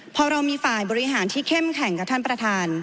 พอเรามีฝ่ายบริหารที่เข้มแข็งกับท่านประธาน